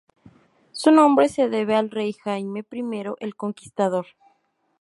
Su nombre se debe al rey Jaime I el Conquistador.